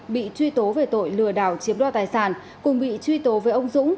bị truy tố về tội lừa đảo chiếm đo tài sản cùng bị truy tố với ông dũng